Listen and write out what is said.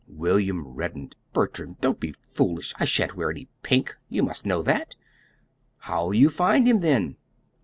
William reddened. "Bertram, don't be foolish. I sha'n't wear any pink. You must know that." "How'll you find him, then?"